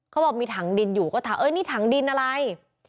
เขาบอกมีถังดินอยู่ก็ถามเอ้ยนี่ถังดินอะไร